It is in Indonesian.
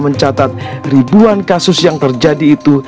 mencatat ribuan kasus yang terjadi itu